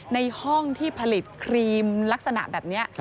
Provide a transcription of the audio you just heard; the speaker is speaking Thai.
ในห้องที่ผลิตครีมลักษณะแบบนี้